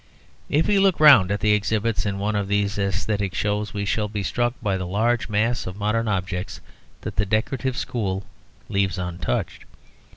If we look round at the exhibits in one of these æsthetic shows, we shall be struck by the large mass of modern objects that the decorative school leaves untouched.